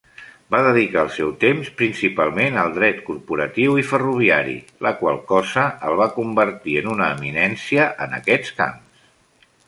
Va dedicar el seu temps principalment al dret corporatiu i ferroviari, la qual cosa el va convertir en una eminència en aquests camps.